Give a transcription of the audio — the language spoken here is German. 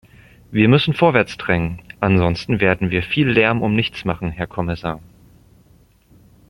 Wir müssen vorwärts drängen, ansonsten werden wir viel Lärm um nichts machen, Herr Kommissar.